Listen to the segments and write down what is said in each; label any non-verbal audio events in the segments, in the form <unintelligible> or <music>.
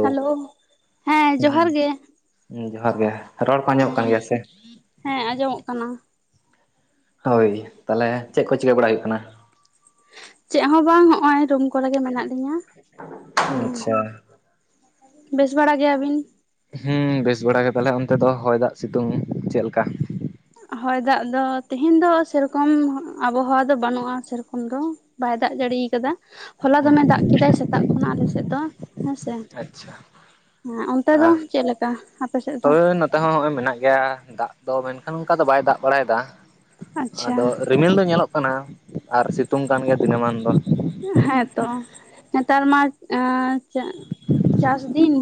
Hello. ᱦᱮᱸ ᱦᱩᱸ, ᱡᱚᱦᱟᱨ ᱜᱮ ᱡᱚᱦᱟᱨ ᱜᱮ ᱨᱚᱲ ᱠᱚ ᱟᱸᱡᱚᱢᱚᱜ ᱦᱮᱸ ᱠᱟᱱ ᱜᱮᱭᱟ ᱥᱮ᱾ ᱦᱮᱸ ᱟᱸᱡᱚᱢᱚᱜ ᱠᱟᱱᱟ᱾ ᱦᱳᱭ, ᱛᱟᱦᱚᱞᱮ ᱪᱮᱜ ᱠᱚ ᱪᱤᱠᱟᱹ ᱵᱟᱲᱟ ᱦᱩᱭᱩᱜ ᱠᱟᱱᱟ? ᱪᱮᱜ ᱦᱚᱸ ᱵᱟᱝ ᱦᱚᱜᱼᱚᱭ ᱨᱩᱢ ᱠᱚᱨᱮ ᱜᱮ ᱢᱮᱱᱟᱜ ᱞᱤᱧᱟ, ᱦᱮᱸ᱾ ᱟᱪᱪᱷᱟ ᱵᱮᱥ ᱵᱟᱲᱟ ᱜᱮᱭᱟᱵᱤᱱ? ᱦᱩᱸ ᱵᱮᱥ ᱵᱟᱲᱟ ᱜᱮ ᱛᱟᱦᱚᱞᱮ ᱚᱱᱛᱮ ᱫᱚ ᱦᱚᱭ, ᱫᱟᱜ, ᱥᱤᱛᱩᱝ ᱪᱮᱞᱠᱟ? ᱦᱚᱭ ᱫᱟᱜ ᱫᱚ ᱛᱮᱦᱮᱹᱧ ᱫᱚ ᱥᱮᱨᱚᱠᱚᱢ ᱟᱵᱚᱦᱟᱣᱟ ᱫᱚ ᱵᱟᱹᱱᱩᱜᱼᱟ ᱥᱮᱨᱚᱠᱚᱢ ᱫᱚ᱾ ᱵᱟᱭ ᱫᱟᱜ ᱡᱟᱲᱤᱭ ᱠᱟᱫᱟ, ᱦᱚᱞᱟ ᱫᱚᱢᱮ ᱫᱟᱜ ᱠᱮᱫᱟᱭ ᱥᱮᱛᱟᱜ ᱠᱷᱚᱱᱟᱜ ᱟᱞᱮ ᱥᱮᱫ ᱫᱚ᱾ ᱦᱳᱭ ᱥᱮ ᱟᱪᱪᱷᱟ ᱦᱮ ᱚᱱᱛᱮ ᱫᱚ ᱪᱮᱜ ᱞᱮᱠᱟ ᱟᱯᱮ ᱥᱮᱜ ᱫᱚ? ᱛᱮ ᱦᱚᱸ ᱦᱚᱜᱼᱚᱭ ᱢᱮᱱᱟᱜ ᱜᱮᱭᱟ ᱫᱟᱜ ᱫᱚ ᱢᱮᱱᱠᱷᱟᱱ ᱚᱱᱠᱟ ᱫᱚ ᱵᱟᱭ ᱫᱟᱜ ᱵᱟᱲᱟᱭ ᱫᱟ᱾ ᱟᱪᱪᱷᱟ ᱟᱫᱚ ᱨᱤᱢᱤᱞ ᱫᱚ ᱧᱮᱞᱚᱜ ᱠᱟᱱᱟ ᱟᱨ ᱥᱤᱛᱩᱝ ᱠᱟᱱ ᱜᱮᱭᱟ ᱫᱤᱱᱟᱹᱢᱟᱱ ᱫᱚ ᱦᱮᱸᱛᱚ ᱱᱮᱛᱟᱨ ᱢᱟ ᱪᱟᱥ ᱫᱤᱱ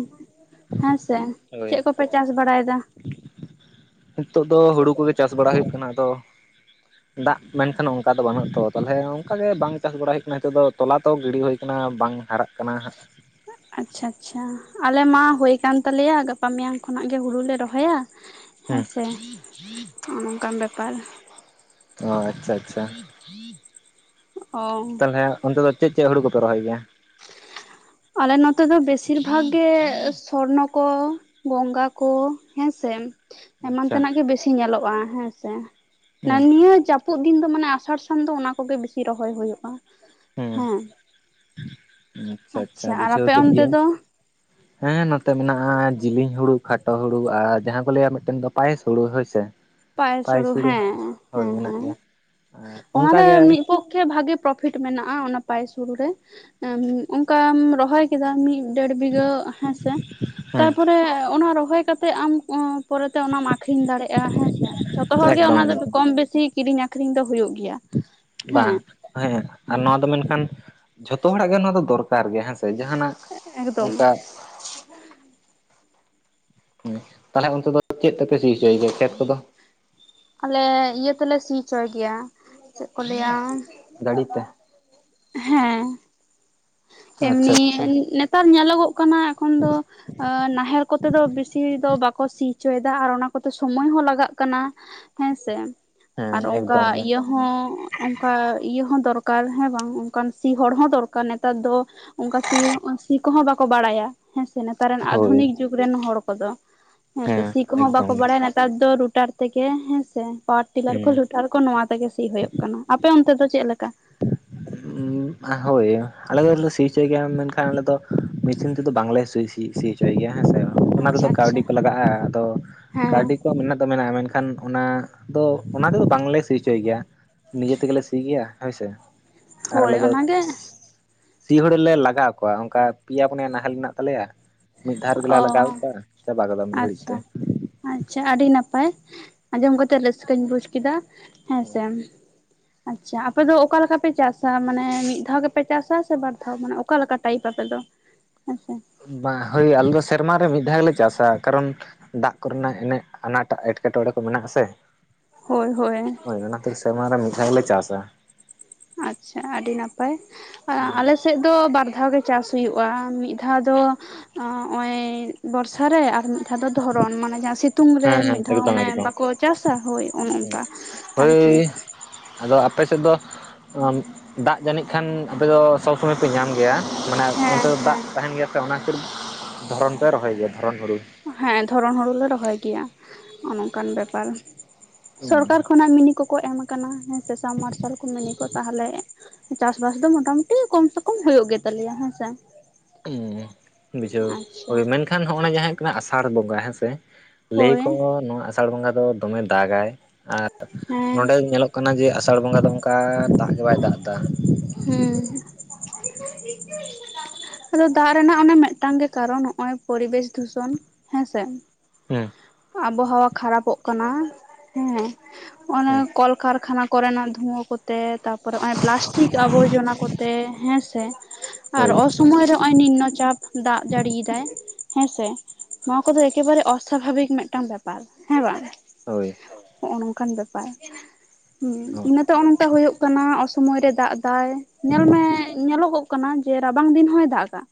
ᱦᱮᱸᱥᱮ ᱦᱳᱭ ᱪᱮᱫ ᱠᱚᱯᱮ ᱪᱟᱥ ᱵᱟᱲᱟᱭᱮᱫᱟ ᱱᱤᱛᱚᱜ ᱫᱚ ᱦᱳᱲᱳ ᱠᱚᱜᱮ ᱪᱟᱥ ᱵᱟᱲᱟ ᱦᱩᱭᱩᱜ ᱠᱟᱱᱟ ᱟᱫᱚ ᱫᱟᱜ ᱢᱮᱱᱠᱷᱟᱱ ᱚᱱᱠᱟ ᱫᱚ ᱵᱟᱹᱱᱩᱜᱼᱟ ᱛᱚ ᱾ ᱛᱟᱦᱚᱞᱮ ᱚᱱᱠᱟᱟᱜᱮ ᱵᱟᱝ ᱪᱟᱥ ᱵᱟᱲᱟ ᱦᱩᱭᱩᱜ ᱠᱟᱱᱟ ᱾ ᱱᱤᱛᱚᱜ ᱫᱚ ᱛᱚᱞᱟ ᱛᱚ ᱜᱤᱰᱤ ᱦᱩᱭ ᱟᱠᱟᱱᱟ ᱵᱟᱝ ᱦᱟᱨᱟᱜ ᱠᱟᱱᱟ ᱠᱟᱱᱟ ᱦᱟᱸᱜ ᱟᱪᱪᱷᱟ ᱟᱪᱪᱷᱟ ᱟᱞᱮ ᱢᱟ ᱦᱩᱭ ᱠᱟᱱ ᱛᱟᱞᱮᱭᱟ ᱜᱟᱯᱟ ᱢᱮᱭᱟᱝ ᱠᱷᱚᱱᱟᱜ ᱜᱮ ᱦᱩᱲᱩ ᱞᱮ ᱨᱚᱦᱚᱭᱟ ᱦᱮᱸ ᱦᱮᱸᱥᱮ ᱱᱚᱜ ᱱᱚᱝᱠᱟᱱ ᱵᱮᱯᱟᱨ ᱾ <inaudible> ᱚ ᱟᱪᱪᱷᱟ ᱟᱪᱪᱷᱟ <inaudible> ᱛᱟᱦᱞᱮ ᱚᱱᱛᱮ ᱫᱚ ᱪᱮᱫ ᱪᱮᱫ ᱦᱩᱲᱩ ᱠᱚᱯᱮ ᱨᱚᱦᱚᱭ ᱜᱮᱭᱟ? ᱟᱞᱮ ᱱᱚᱛᱮ ᱫᱚ ᱵᱮᱥᱤᱨ ᱵᱷᱟᱜᱽ ᱜᱮ ᱥᱚᱨᱱᱚ ᱠᱚ ᱜᱚᱝᱜᱟ ᱠᱚ ᱦᱮᱸᱥᱮ ᱮᱢᱟᱱ ᱟᱪᱪᱷᱟ ᱛᱮᱱᱟᱜ ᱜᱮ ᱵᱮᱥᱤ ᱧᱮᱞᱚᱜᱼᱟ ᱦᱮᱸᱥᱮ ᱾ ᱱᱟ ᱦᱩᱸ ᱱᱤᱭᱟᱹ ᱡᱟ ᱡᱟᱹᱯᱩᱫ ᱫᱤᱱ ᱫᱚ ᱢᱟᱱᱮ ᱟᱥᱟᱲ ᱥᱟᱱ ᱫᱚ ᱚᱱᱟ ᱠᱚᱜᱮ ᱵᱤᱥᱤ ᱨᱚᱦᱚᱭ ᱦᱩᱭᱩᱜᱼᱟ ᱦᱩᱸ ᱦᱮᱸ ᱟᱪᱪᱷᱟ ᱟᱪᱪᱷᱟ ᱟᱨ ᱵᱩᱡᱷᱟᱹᱣ ᱟᱯᱮ ᱠᱮᱫ ᱚᱱᱛᱮ ᱜᱤᱭᱟᱹᱧ᱾ ᱫᱚ ᱦᱮᱸ ᱱᱚᱛᱮ ᱢᱮᱱᱟᱜᱼᱟ ᱡᱮᱞᱮᱧ ᱦᱩᱲᱩ, ᱠᱷᱟᱴᱚ ᱦᱩᱲᱩ ᱟᱨ ᱡᱟᱦᱟᱸ ᱠᱚ ᱞᱟᱹᱭᱟ ᱢᱤᱫᱴᱮᱱ ᱫᱚ ᱯᱟᱭᱮᱥ ᱦᱩᱲᱩ ᱦᱳᱭᱥᱮ ᱯᱟᱭ ᱥᱳᱲᱩ ᱦᱮᱸ ᱦᱮᱸ ᱢᱮᱱᱟᱜ ᱦᱮᱸ ᱜᱮᱭᱟ ᱟᱨ ᱚᱱᱟᱨᱮ ᱚᱱᱠᱟᱜᱮ ᱢᱤᱫᱼᱼ ᱦᱮᱸ ᱯᱚᱠᱠᱷᱮ ᱵᱷᱟᱜᱤ ᱯᱨᱚᱯᱷᱤᱴ ᱢᱮᱱᱟᱜᱼᱟ ᱚᱱᱟ ᱯᱟᱭᱮᱥ ᱦᱩᱲᱩ ᱨᱮ ᱚᱱᱠᱟᱢ ᱨᱚᱦᱚᱭ ᱠᱮᱫᱟ ᱢᱤᱫᱼᱼ ᱫᱮᱲ ᱵᱤᱜᱷᱟᱹ ᱦᱮᱸᱥᱮ ᱛᱟᱨᱯᱚᱨᱮ ᱚᱱᱟ ᱨᱚᱦᱚᱭ ᱠᱟᱛᱮᱜ ᱟᱢᱼᱼ ᱯᱚᱨᱮᱛᱮ ᱚᱱᱟᱢ ᱟᱠᱷᱨᱤᱧ ᱫᱟᱲᱮᱭᱟᱜᱼᱟ ᱦᱮᱸᱥᱮ ᱾ ᱡᱷᱚᱛᱚ ᱦᱚᱲ ᱜᱮ ᱮᱠᱫᱚᱢ ᱚᱱᱟ ᱫᱚ ᱮᱠᱫᱚᱢ ᱠᱚᱢ ᱵᱮᱥᱤ ᱠᱤᱨᱤᱧ ᱟᱠᱷᱨᱤᱧ ᱫᱚ ᱦᱩᱭᱩᱜ ᱜᱮᱭᱟ ᱵᱟᱝ ᱦᱮᱸ ᱾ ᱦᱮᱸ ᱟᱨ ᱱᱚᱣᱟ ᱫᱚ ᱢᱮᱱᱠᱷᱟᱱ ᱡᱷᱚᱛᱚ ᱦᱚᱲᱟᱜ ᱜᱮ ᱱᱚᱣᱟ ᱫᱚᱨᱠᱟᱨ ᱜᱮ ᱦᱮᱸᱥᱮ ᱡᱟᱦᱟᱱᱟᱜ ᱮᱠᱫᱚᱢ ᱚᱱᱠᱟ ᱦᱮᱸ ᱛᱟᱦᱚᱞᱮ ᱚᱱᱛᱮ ᱫᱚ ᱪᱮᱫ ᱥᱤ ᱦᱚᱪᱚᱭ ᱜᱮᱭᱟ ᱠᱷᱮᱛ ᱠᱚᱫᱚ ᱟᱞᱮ ᱤᱭᱟᱹ ᱛᱮᱞᱮ ᱥᱤ ᱦᱚᱪᱚᱭ ᱜᱮᱭᱟ ᱪᱮᱫ ᱠᱚ ᱞᱟᱹᱭᱟᱼᱼ ᱫᱟᱲᱤ ᱛᱮ ᱦᱮᱸ ᱟᱪᱪᱷᱟ ᱮᱢᱱᱤ ᱟᱪᱪᱷᱟ ᱱᱮᱛᱟᱨ ᱧᱮᱞᱚᱜᱚᱜ ᱠᱟᱱᱟ ᱮᱠᱷᱚᱱ ᱫᱚᱼᱼ ᱱᱟᱦᱮᱞ ᱠᱚᱛᱮ ᱫᱚ ᱵᱮᱥᱤ ᱫᱚ ᱵᱟᱠᱚ ᱥᱤ ᱦᱚᱪᱚᱭᱮᱫᱟ, ᱟᱨ ᱚᱱᱟ ᱠᱚᱛᱮ ᱥᱚᱢᱚᱭ ᱦᱚᱸ ᱞᱟᱜᱟᱜ ᱠᱟᱱᱟ᱾ ᱦᱮᱸᱥᱮ ᱦᱮᱸ ᱟᱨ ᱚᱱᱠᱟ ᱮᱠᱫᱚᱢ ᱜᱮ ᱤᱭᱟᱹ ᱦᱚᱸ ᱚᱱᱠᱟ ᱤᱭᱟᱹ ᱦᱚᱸ ᱫᱚᱨᱠᱟᱨ ᱦᱮᱸ ᱵᱟᱝ ᱚᱱᱠᱟᱱ ᱥᱤ ᱦᱚᱲ ᱦᱚᱸ ᱫᱚᱨᱠᱟᱨ ᱱᱮᱛᱟᱨ ᱫᱚ ᱚᱱᱠᱟ ᱥᱤ ᱥᱤ ᱠᱚᱦᱚᱸ ᱵᱟᱠᱚ ᱵᱟᱲᱟᱭᱟ ᱦᱮᱸᱥᱮ ᱱᱮᱛᱟᱨ ᱨᱮᱱ ᱦᱳᱭ ᱟᱫᱷᱩᱱᱤᱠ ᱡᱩᱜᱽᱼᱼ ᱟᱹᱛᱩ ᱨᱮᱱ ᱦᱚᱲ ᱠᱚᱫᱚ ᱦᱮᱸ ᱥᱮ ᱥᱤ ᱠᱚᱦᱚᱸ ᱮᱠᱫᱚᱢ ᱵᱟᱠᱚ ᱜᱮ ᱵᱟᱲᱟᱭᱟ ᱱᱮᱛᱟᱨ ᱫᱚ ᱨᱩᱴᱟᱨ ᱛᱮᱜᱮ ᱦᱮᱸᱥᱮ ᱯᱟᱣᱟᱨ ᱴᱤᱞᱟᱨ ᱠᱚ ᱦᱮᱸ ᱞᱳᱴᱟᱨ ᱠᱚ ᱱᱚᱣᱟ ᱛᱮᱜᱮ ᱥᱤ ᱦᱩᱭᱩᱜ ᱠᱟᱱᱟ ᱟᱯᱮ ᱚᱱᱛᱮ ᱫᱚ ᱪᱮᱫ ᱞᱮᱠᱟ ᱦᱳᱭ ᱟᱞᱮ ᱫᱚ ᱥᱤ ᱦᱚᱪᱚᱭ ᱜᱮᱭᱟ ᱢᱮᱱᱠᱷᱟᱱ ᱟᱞᱮ ᱫᱚ ᱢᱤᱥᱤᱱ ᱛᱮᱫᱚ ᱵᱟᱝᱞᱮ ᱥᱤᱼᱼ ᱥᱤ ᱥᱤ ᱦᱚᱪᱚᱭ ᱜᱮᱭᱟ ᱦᱮᱸᱥᱮ ᱾ ᱚᱱᱟ ᱟᱪᱪᱷᱟ ᱨᱮᱫᱚ ᱠᱟᱹᱣᱰᱤ ᱟᱪᱪᱷᱟ ᱠᱚ ᱞᱟᱜᱟᱜᱼᱟ ᱾ ᱟᱫᱚ ᱦᱮᱸ ᱠᱟᱹᱣᱰᱤ ᱠᱚ ᱢᱮᱱᱟᱜ ᱫᱚ ᱢᱮᱱᱟᱜᱼᱟ ᱢᱮᱱᱠᱷᱟᱱᱼᱼ ᱠᱷᱟᱱ ᱚᱱᱟ ᱫᱚ ᱚᱱᱟ ᱛᱮᱫᱚ ᱵᱟᱝᱞᱮ ᱥᱤ ᱚᱪᱚᱭ ᱜᱮᱭᱟ ᱱᱤᱡᱮ ᱛᱮᱜᱮᱞᱮ ᱥᱤ ᱜᱮᱭᱟ ᱦᱳᱭ ᱥᱮ ᱾ ᱟᱨ ᱦᱳᱭ ᱟᱞᱮ ᱫᱚ ᱚᱱᱟᱜᱮ ᱥᱤ ᱦᱳᱲ ᱞᱮ ᱞᱟᱜᱟᱣ ᱠᱚᱣᱟ ᱚᱱᱠᱟ ᱯᱮᱭᱟ ᱯᱩᱱᱭᱟ ᱱᱟᱦᱮᱞ ᱢᱮᱱᱟᱜ ᱛᱟᱞᱮᱭᱟ᱾ ᱢᱤᱫ ᱫᱷᱟᱣ ᱨᱮ ᱜᱮᱞᱮ ᱞᱟᱜᱟᱣᱼᱟ ᱚ ᱪᱟᱵᱟ ᱜᱚᱫᱚᱜ ᱢᱤᱫ ᱜᱷᱟᱹᱲᱤᱡ ᱛᱮ ᱟᱪᱪᱷᱟ ᱟᱪᱪᱷᱟ ᱟᱹᱰᱤ ᱱᱟᱯᱟᱭ ᱟᱸᱡᱚᱢ ᱠᱟᱛᱮᱜ ᱨᱟᱹᱥᱠᱟᱹᱧ ᱵᱩᱡ ᱠᱮᱫᱟ ᱦᱮᱸᱥᱮ ᱾ ᱟᱪᱪᱷᱟ ᱟᱯᱮ ᱫᱚ ᱚᱠᱟ ᱞᱮᱠᱟᱯᱮ ᱪᱟᱥᱟ ᱢᱟᱱᱮ ᱢᱤᱫ ᱫᱷᱟᱣ ᱜᱮᱯᱮ ᱪᱟᱥᱟ ᱥᱮ ᱵᱟᱨ ᱫᱷᱟᱣ ᱢᱟᱱᱮ? ᱚᱠᱟᱮᱠᱟ ᱴᱟᱭᱤᱯ ᱟᱯᱮ ᱫᱚ ᱦᱮᱸᱥᱮ᱾ ᱦᱳᱭ ᱟᱞᱮ ᱫᱚ ᱥᱮᱨᱢᱟᱟᱨ ᱨᱮ ᱢᱤᱫ ᱫᱷᱟᱣᱞᱮ ᱪᱟᱥᱟ ᱠᱟᱨᱚᱱᱼᱼ ᱫᱟᱜ ᱠᱚᱨᱮᱱᱟᱜ ᱮᱱᱮᱡ ᱟᱱᱟᱴᱟᱜ ᱮᱴᱠᱮᱴᱚᱬᱮ ᱠᱚ ᱢᱮᱱᱟᱜ ᱟᱥᱮ ᱦᱳᱭ ᱦᱳᱭ ᱦᱳᱭ ᱚᱱᱟᱛᱮ ᱥᱮᱨᱢᱟ ᱨᱮ ᱢᱤᱫᱷᱟᱣᱞ ᱜᱮᱞᱮ ᱪᱟᱥᱟ ᱟᱪᱪᱷᱟ ᱟᱹᱰᱤ ᱱᱟᱯᱟᱭ ᱾ ᱦᱩᱸ ᱟᱞᱮ ᱥᱮᱫ ᱫᱚ ᱵᱟᱨ ᱫᱷᱟᱣ ᱜᱮ ᱪᱟᱥ ᱦᱩᱭᱩᱜᱼᱟ, ᱢᱤᱫ ᱫᱷᱟᱣ ᱫᱚ ᱦᱚᱸᱜ-ᱚᱭ ᱵᱚᱨᱥᱟ ᱨᱮ ᱟᱨ ᱢᱤᱫ ᱫᱷᱟᱣ ᱫᱚ ᱫᱷᱚᱨᱚᱱ ᱢᱟᱱᱮ ᱡᱟᱦᱟᱸ ᱥᱤᱛ ᱛᱩᱝ ᱨᱮ ᱦᱮᱸ ᱦᱮᱸ ᱢᱤᱫ ᱫᱷᱟᱣ ᱮᱠᱫᱚᱢ ᱚᱱᱮ ᱮᱠᱫᱚᱢ ᱵᱟᱠᱚ ᱪᱟᱥᱟ ᱦᱳᱭ ᱚᱱᱮ ᱚᱱᱠᱟ ᱟᱨᱠᱤ᱾ ᱦᱳᱭ ᱟᱫᱚ ᱟᱯᱮᱥᱮᱫ ᱫᱚ ᱫᱟᱜ ᱡᱟᱹᱱᱤᱡ ᱠᱷᱟᱱ ᱟᱯᱮ ᱫᱚ ᱥᱚᱵᱽ ᱥᱚᱢᱚᱭ ᱯᱮ ᱧᱟᱢ ᱜᱮᱭᱟ? ᱢᱟᱱᱮ ᱚᱱᱛᱮ ᱦᱮᱸ ᱫᱚ ᱫᱟᱜ ᱦᱮᱸ ᱛᱟᱦᱮᱱ ᱜᱮᱭᱟ ᱥᱮ ᱚᱱᱟ ᱠᱷᱟᱹᱛᱤᱨ ᱫᱷᱚᱨᱚᱱ ᱯᱮ ᱨᱚᱦᱚᱭ ᱜᱮᱭᱟ ᱫᱷᱚᱨᱚᱱ ᱦᱩᱲᱩ᱾ ᱦᱮᱸ, ᱫᱷᱚᱨᱚᱱ ᱦᱩᱲᱩ ᱞᱮ ᱨᱚᱦᱚᱭ ᱜᱮᱭᱟ ᱦᱚᱸᱜ-ᱚ ᱱᱚᱝᱠᱟᱱ ᱵᱮᱯᱟᱨ᱾ ᱥᱚᱨᱠᱟᱨ ᱠᱷᱚᱱᱟᱜ ᱢᱤᱱᱤ ᱠᱚᱠᱚ ᱮᱢ ᱟᱠᱟᱱᱟ ᱦᱮᱸ ᱥᱮ, ᱥᱟᱢ ᱢᱟᱨᱥᱟᱞ ᱠᱚ, ᱢᱤᱱᱤ ᱠᱚ, ᱛᱟᱦᱚᱞᱮ ᱪᱟᱥᱵᱟᱥ ᱫᱚ ᱢᱚᱴᱟᱢᱩᱴᱤ ᱠᱚᱢ ᱥᱮ ᱠᱚᱢ ᱦᱩᱭᱩᱜ ᱜᱮᱛᱟ ᱞᱮᱭᱟ ᱦᱮᱸ ᱥᱮ᱾ ᱦᱩᱸ ᱵᱩᱡᱷᱟᱹᱣ, ᱟᱪᱪᱷᱟ ᱢᱮᱱᱠᱷᱟᱱ ᱦᱚᱸᱜ-ᱚ ᱱᱟ ᱡᱟᱦᱟᱸ ᱦᱩᱭᱩᱜ ᱠᱟᱱᱟ ᱟᱥᱟᱲ ᱵᱚᱸᱜᱟ ᱦᱮᱸ ᱥᱮ᱾ ᱦᱳᱭ ᱞᱟᱹᱭᱟᱠᱚ ᱱᱚᱣᱟ ᱟᱥᱟᱲ ᱵᱚᱸᱜᱟ ᱫᱚ ᱫᱚᱢᱮ ᱫᱟᱜᱟᱭ, ᱟᱨ ᱦᱮᱸ ᱱᱚᱰᱮ ᱧᱮᱞᱚᱜ ᱠᱟᱱᱟ ᱡᱮ ᱟᱥᱟᱲ ᱵᱚᱸᱜᱟ ᱫᱚ ᱚᱝᱠᱟ ᱫᱟᱜ ᱜᱮ ᱵᱟᱭ ᱫᱟᱜ ᱮᱫᱟ᱾ ᱦᱩᱸᱻ ᱟᱫᱚ ᱫᱟᱜ ᱨᱮᱱᱟᱜ ᱚᱱᱮ ᱢᱤᱫᱴᱟᱝ ᱜᱮ ᱠᱟᱨᱚᱱ ᱦᱚᱸᱜ-ᱚᱭ ᱯᱚᱨᱤᱵᱮᱥ ᱫᱷᱩᱥᱚᱱ ᱦᱮᱸ ᱥᱮ᱾ ᱦᱩᱸ᱾ ᱟᱵᱚᱦᱟᱣᱟ ᱠᱷᱟᱨᱟᱯᱚᱜ ᱠᱟᱱᱟ, ᱦᱮᱸ᱾ ᱚᱱᱮ ᱦᱩᱸ᱾ ᱠᱚᱞᱠᱟᱨᱠᱷᱟᱱᱟ ᱠᱚ ᱨᱮᱱᱟᱜ ᱫᱷᱩᱶᱟᱹ ᱠᱚ, ᱛᱮ ᱛᱟᱯᱚᱨ ᱦᱚᱸᱜᱚᱭ ᱯᱞᱟᱥᱴᱤᱠ ᱟᱵᱚᱨᱡᱚᱱᱟ ᱠᱚᱛᱮ ᱦᱮᱸ ᱥᱮ, ᱟᱨ ᱦᱳᱭ ᱚᱥ ᱥᱚᱢᱚᱭ ᱨᱮ ᱦᱚᱸᱜ-ᱚᱭ ᱱᱤᱢᱱᱚ ᱪᱟᱯ ᱫᱟᱜ ᱡᱟᱹᱲᱤ ᱮᱫᱟᱭ ᱦᱮᱸ ᱥᱮ᱾ ᱱᱚᱣᱟ ᱠᱚᱫᱚ ᱮᱠᱮᱵᱟᱨᱮ ᱚᱥᱟᱵᱷᱟᱵᱤᱠ ᱢᱤᱫᱴᱟᱝ ᱵᱮᱯᱟᱨ, ᱦᱮᱸ ᱵᱟᱝ? ᱦᱳᱭ ᱦᱚᱸᱜ-ᱚ ᱱᱚᱝᱠᱟᱱ ᱵᱮᱯᱟᱨ, ᱤᱱᱟᱹᱛᱮ ᱱᱚᱜ ᱱᱚᱝᱠᱟ ᱦᱩᱭᱩᱜ ᱠᱟᱱᱟ ᱚᱥᱚᱢᱚᱭ ᱨᱮ ᱫᱟᱜ ᱫᱟᱭ ᱧᱮᱞ ᱢᱮ, ᱧᱮᱞᱚᱜᱚᱜ ᱠᱟᱱᱟ ᱡᱮ ᱨᱟᱵᱟᱝ ᱫᱤᱱ ᱦᱚᱸᱭ ᱫᱟᱜᱟ᱾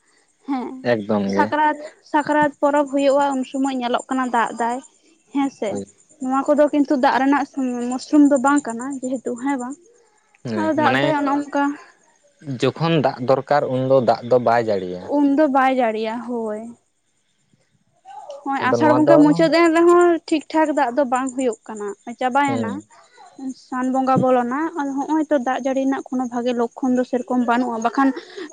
ᱦᱮᱸ, ᱮᱠᱫᱚᱢ ᱜᱮ ᱥᱟᱠᱨᱟᱛ, ᱥᱟᱠᱨᱟᱛ ᱯᱚᱨᱚᱵᱽ ᱦᱩᱭᱩᱜᱼᱟ, ᱩᱱ ᱥᱚᱢᱚᱭ ᱧᱮᱞᱚᱜ ᱠᱟᱱᱟ ᱫᱟᱜ ᱫᱟᱭ᱾ ᱦᱮᱸ ᱥᱮ, ᱦᱳᱭ ᱱᱚᱣᱟ ᱠᱚᱫᱚ ᱠᱤᱱᱛᱩ ᱫᱟᱜ ᱨᱮᱱᱟᱜ ᱢᱩᱥᱨᱩᱢ ᱫᱚ ᱵᱟᱝ ᱠᱟᱱᱟ ᱡᱮᱦᱮᱛᱩ ᱦᱮᱸ ᱵᱟᱝ᱾ ᱟᱻ ᱫᱟᱜ ᱢᱟᱱᱮ ᱮᱫᱟᱭ ᱚᱱᱮ ᱚᱝᱠᱟ᱾ ᱡᱚᱠᱷᱚᱱ ᱫᱟᱜ ᱫᱚᱨᱠᱟᱨ ᱩᱱ ᱫᱚ ᱫᱟᱜ ᱫᱚ ᱵᱟᱭ ᱡᱟᱹᱲᱤᱭᱟ᱾ ᱩᱱ ᱫᱚ ᱵᱟᱭ ᱡᱟᱹᱲᱤᱭᱟ ᱦᱳᱭ᱾ ᱦᱮᱸ, ᱟᱫᱚ ᱟᱥᱟᱲ ᱱᱚᱣᱟ ᱫᱚ ᱵᱚᱸᱜᱟ ᱢᱩᱪᱟᱹᱫ ᱮᱱ ᱨᱮᱦᱚᱸ ᱴᱷᱤᱠ-ᱴᱷᱟᱠ ᱫᱟᱜ ᱫᱚ ᱵᱟᱝ ᱦᱩᱭᱩᱜ ᱠᱟᱱᱟ ᱪᱟᱵᱟᱭᱮᱱᱟ᱾ ᱦᱮᱸ ᱥᱟᱱ ᱵᱚᱸᱜᱟ ᱵᱚᱞᱚᱱᱟ ᱟᱨ ᱦᱚᱸᱜᱼᱚᱭ ᱛᱚ ᱫᱟᱜ ᱡᱟᱹᱲᱤ ᱨᱮᱱᱟᱜ ᱠᱳᱱᱳ ᱵᱷᱟᱜᱮ ᱞᱚᱠᱠᱷᱚᱱ ᱫᱚ ᱥᱮᱨᱚᱠᱚᱢ ᱵᱟᱹᱱᱩᱜᱼᱟ, ᱵᱟᱠᱷᱟᱱ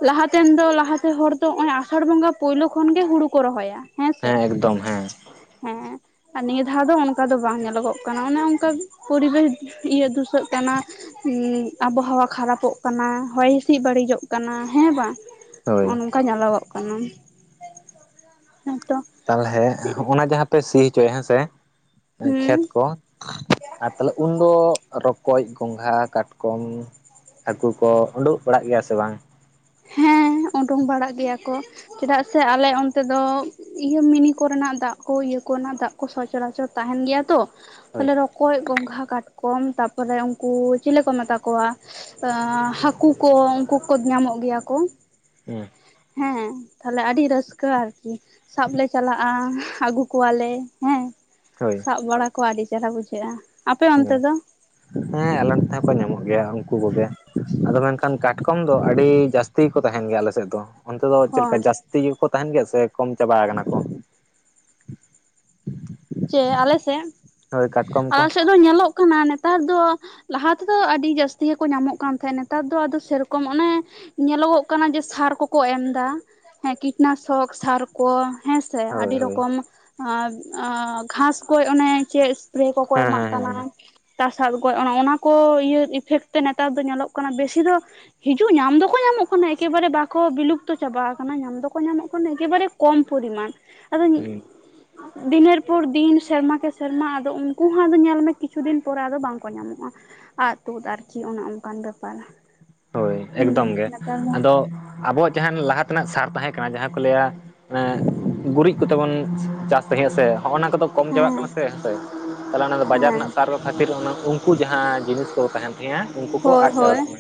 ᱞᱟᱦᱟᱛᱮᱱ ᱫᱚ ᱞᱟᱦᱟᱛᱮ ᱦᱚᱲ ᱫᱚ ᱦᱚᱸᱜᱼᱚᱭ ᱟᱥᱟᱲ ᱵᱚᱸᱜᱟ ᱯᱳᱭᱞᱳ ᱠᱷᱚᱱ ᱜᱮ ᱦᱩᱲᱩ ᱠᱚ ᱨᱚᱦᱚᱭᱟ᱾ ᱦᱮᱸ, ᱮᱠᱫᱚᱢ ᱦᱮᱸ᱾ ᱦᱮᱸ, ᱟᱨ ᱱᱤᱭᱟᱹ ᱫᱷᱟᱣ ᱫᱚ ᱚᱱᱠᱟ ᱫᱚ ᱵᱟᱝ ᱧᱮᱞᱚᱜᱚᱜ ᱠᱟᱱᱟ᱾ ᱚᱱᱮ ᱚᱱᱠᱟ ᱯᱚᱨᱤᱵᱮᱥ ᱤᱭᱟᱹ ᱫᱩᱥᱟᱹᱜ ᱠᱟᱱᱟ, ᱩᱸᱻ ᱟᱵᱚᱦᱟᱣᱟ ᱠᱷᱟᱨᱟᱯᱚᱜ ᱠᱟᱱᱟ, ᱦᱚᱭ ᱦᱤᱸᱥᱤᱫ ᱵᱟᱹᱲᱤᱡᱚᱜ ᱠᱟᱱᱟ, ᱦᱮᱸ ᱵᱟᱝ? ᱦᱚᱸᱜ-ᱚ ᱦᱳᱭ ᱱᱚᱝᱠᱟ ᱧᱮᱞᱚᱜᱚᱜ ᱠᱟᱱᱟ, ᱦᱩᱸ ᱛᱚ᱾ ᱛᱟᱞᱦᱮ ᱦᱚᱸᱜ-ᱚ ᱱᱟ ᱡᱟᱦᱟᱸ ᱯᱮ ᱥᱤ ᱦᱚᱪᱚᱭ ᱦᱮᱸ ᱥᱮ ᱦᱩᱸ ᱠᱷᱮᱛ ᱠᱚ, ᱟᱨ ᱛᱟᱦᱞᱮ ᱩᱱᱫᱚ ᱨᱚᱠᱚᱡ, ᱜᱚᱸᱜᱷᱟ, ᱠᱟᱴᱠᱚᱢ, ᱦᱟᱹᱠᱩ ᱠᱚ ᱩᱰᱩᱜ ᱵᱟᱲᱟ ᱜᱮᱭᱟ ᱥᱮ ᱵᱟᱝ? <inaudible> ᱦᱮᱸ ᱩᱰᱩᱝ ᱵᱟᱲᱟᱜ ᱜᱮᱭᱟ ᱠᱚ ᱪᱮᱫᱟᱜ ᱥᱮ ᱟᱞᱮ ᱚᱱᱛᱮ ᱫᱚᱻ ᱤᱭᱟᱹ ᱢᱤᱱᱤ ᱠᱚᱨᱮᱱᱟᱜ ᱫᱟᱜ ᱠᱚ ᱤᱭᱟᱹ ᱠᱚᱨᱮᱱᱟᱜ ᱫᱟᱜ ᱠᱚ ᱥᱚᱪᱚᱨᱪᱚᱨ ᱛᱟᱦᱮᱱ ᱜᱮᱭᱟ ᱛᱚ᱾ ᱦᱳᱭ ᱛᱟᱦᱞᱮ ᱨᱚᱠᱚᱡ, ᱜᱚᱸᱜᱷᱟ, ᱠᱟᱴᱠᱚᱢ, ᱛᱟᱯᱚᱨᱮ ᱩᱝᱠᱩ ᱪᱤᱞᱤ ᱠᱚ ᱢᱮᱛᱟ ᱠᱚᱣᱟ, ᱮᱸᱻ ᱦᱟᱹᱠᱩ ᱠᱚ ᱩᱝᱠᱩ ᱠᱚ ᱧᱟᱢᱚᱜ ᱜᱮᱭᱟ ᱠᱚ᱾ ᱦᱩᱸ᱾ ᱦᱮᱸ, ᱛᱟᱦᱚᱴᱞᱮ ᱟᱹᱰᱤ ᱨᱟᱹᱥᱠᱟᱹ ᱟᱨ ᱠᱤ᱾ ᱥᱟᱵᱞᱮ ᱪᱟᱞᱟᱜ-ᱟ ᱟᱹᱜᱩ ᱠᱚᱣᱟᱞᱮ, ᱦᱮᱸ᱾ ᱦᱳᱭ᱾ ᱥᱟᱵ ᱵᱟᱲᱟ ᱠᱚ ᱟᱹᱰᱤ ᱪᱮᱦᱨᱟ ᱵᱩᱡᱷᱟᱹᱜᱼᱟ᱾ ᱟᱯᱮ ᱚᱱᱛᱮ ᱦᱮᱸ ᱫᱚ? ᱦᱮᱸ, ᱟᱞᱮ ᱱᱚᱛᱮ ᱦᱚᱸ ᱠᱚ ᱧᱟᱢᱚᱜ ᱜᱮᱭᱟ ᱩᱱᱠᱩ ᱠᱚᱜᱮ ᱟᱫᱚ ᱢᱮᱱᱠᱷᱟᱱ ᱠᱟᱴᱠᱚᱢ ᱫᱚ ᱟᱹᱰᱤ ᱡᱟᱥ ᱛᱤ ᱜᱮᱠᱚ ᱛᱟᱦᱮᱱ ᱜᱮᱭᱟ ᱟᱞᱮᱥᱮᱫ ᱫᱚ᱾ ᱚᱱᱛᱮ ᱫᱚ ᱪᱮᱫ ᱞᱮᱠᱟ ᱦᱚᱸ ᱡᱟᱹᱥᱛᱤ ᱜᱮᱠᱚ ᱛᱟᱦᱮᱱ ᱜᱮᱭᱟ ᱥᱮ ᱠᱚᱢ ᱪᱟᱵᱟ ᱟᱠᱟᱱᱟ ᱠᱚ? ᱪᱮᱫ ᱟᱞᱮ ᱥᱮᱫ? ᱦᱳᱭ, ᱠᱟᱴᱠᱚᱢ ᱟᱞᱮ ᱠᱚ᱾ ᱥᱮᱫ ᱫᱚ ᱧᱮᱞᱚᱜ ᱠᱟᱱᱟ ᱱᱮᱛᱟᱨ ᱫᱚ ᱞᱟᱦᱟ ᱛᱮᱫᱚ ᱟᱹᱰᱤ ᱡᱟᱹᱥᱛᱤ ᱜᱮᱠᱚ ᱧᱟᱢᱚᱜ ᱠᱟᱱ ᱛᱟᱦᱮᱸᱫ, ᱱᱮᱛᱟᱨ ᱫᱚ ᱟᱫᱚ ᱥᱮ ᱨᱚᱠᱚᱢ ᱚᱱᱮ ᱧᱮᱞᱚᱜᱚᱜ ᱠᱟᱱᱟ ᱡᱮ ᱥᱟᱨ ᱠᱚᱠᱚ ᱮᱢ ᱮᱫᱟ ᱦᱮᱸ ᱠᱤᱴᱱᱟᱥᱚᱠ ᱥᱟᱨ ᱠᱚ ᱦᱮᱸᱥᱮ ᱦᱳᱭ ᱟᱹᱰᱤ ᱦᱳᱭ ᱨᱚᱠᱚᱢ ᱮᱸ ᱜᱷᱟᱥ ᱠᱚ ᱚᱱᱮ ᱪᱮᱫ, ᱮᱥᱯᱨᱮ ᱠᱚᱠᱚ ᱦᱮᱸ ᱮᱢᱟᱜ ᱦᱮᱸ ᱠᱟᱱᱟ ᱦᱮᱸ ᱜᱷᱟᱥ ᱜᱚᱡ ᱚᱱᱟ ᱠᱚ ᱤᱭᱟᱹ ᱤᱯᱷᱮᱠᱴ ᱛᱮ ᱱᱮᱛᱟᱨ ᱫᱚ ᱧᱮᱞᱚᱜ ᱠᱟᱱᱟ ᱵᱮᱥᱤ ᱫᱚ ᱦᱤᱡᱩᱜ ᱧᱟᱢ ᱫᱚᱠᱚ ᱧᱟᱢᱚᱜ ᱠᱟᱱᱟ ᱮᱠᱮᱵᱟᱨᱮ ᱵᱟᱠᱚ ᱵᱤᱞᱩᱯᱛᱚ ᱪᱟᱵᱟ ᱠᱟᱱᱟ ᱧᱟᱢ ᱫᱚᱠᱚ ᱧᱟᱢᱚᱜ ᱠᱟᱱᱟ ᱮᱠᱮᱵᱟᱨᱮ ᱠᱚᱢ ᱯᱚᱨᱤᱢᱟᱱ ᱟᱫᱚ ᱦᱮᱸ ᱫᱤᱱᱮᱨ ᱯᱚᱨ ᱫᱤᱱ ᱥᱮᱨᱢᱟ ᱠᱮ ᱥᱮᱨᱢᱟ ᱟᱫᱚ ᱩᱱᱠᱩ ᱦᱚᱸ ᱟᱫᱚ ᱧᱮᱞ ᱢᱮ ᱠᱤᱪᱷᱩ ᱫᱤᱱ ᱯᱚᱨᱮ ᱟᱫᱚ ᱵᱟᱝᱠᱚ ᱧᱟᱢᱚᱜᱼᱟ ᱟᱫ ᱛᱩᱫ ᱟᱨᱠᱤ ᱚᱱᱮ ᱚᱱᱠᱟᱱ ᱵᱮᱯᱟᱨ ᱦᱳᱭ ᱮᱠᱫᱚᱢ ᱦᱩᱸ ᱜᱮ ᱱᱮᱛᱟᱨ ᱫᱚ ᱟᱫᱚ ᱟᱵᱚᱣᱟᱜ ᱡᱟᱦᱟᱸ ᱞᱟᱦᱟ ᱛᱮᱱᱟᱜ ᱥᱟᱨ ᱛᱟᱦᱮᱸ ᱠᱟᱱᱟ ᱡᱟᱦᱟᱸ ᱠᱚ ᱞᱟᱹᱭᱟ ᱢᱟᱱᱮ ᱜᱩᱨᱤᱡ ᱠᱚᱛᱮ ᱵᱚᱱ ᱪᱟᱥ ᱛᱟᱦᱮᱸᱜᱼᱟ ᱥᱮ ᱦᱚᱜᱼ ᱚᱱᱟ ᱠᱚᱫᱚ ᱠᱚᱢ ᱪᱟᱵᱟᱜ ᱦᱮᱸ ᱠᱟᱱᱟ ᱥᱮ ᱦᱮᱸᱥᱮ ᱛᱟᱦᱚᱞᱮ ᱚᱱᱟ ᱵᱟᱡᱟᱨ ᱦᱮᱸ ᱨᱮᱱᱟᱜ ᱥᱟᱨ ᱠᱚ ᱠᱷᱟᱹᱛᱤᱨ ᱚᱱᱟ ᱩᱱ ᱩᱱᱠᱩ ᱡᱟᱦᱟᱸ ᱡᱤᱱᱤᱥ ᱠᱚ ᱛᱟᱦᱮᱸᱱ ᱛᱟᱦᱮᱸᱜᱼᱟ ᱩᱱᱠᱩ ᱠᱚ ᱦᱳᱭ ᱟᱫ ᱦᱳᱭ ᱪᱟᱵᱟᱜ ᱠᱟᱱᱟ